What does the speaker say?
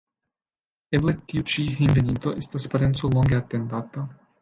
Eble tiu ĉi hejmenveninto estas parenco longe atendata.